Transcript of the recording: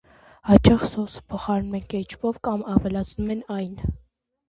Հաճախ սոուսը փոխարինում են կետչուպով կամ ավելացնում այն։